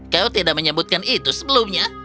kau tidak menyebutkan itu sebelumnya